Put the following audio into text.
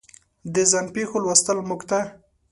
د ځان پېښو لوستل موږ ته